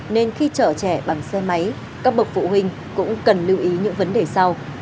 nên khi chở trẻ bằng xe máy các bậc phụ huynh cũng cần lưu ý những vấn đề sau